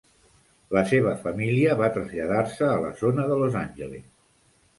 La seva família va traslladar-se a la zona de Los Angeles.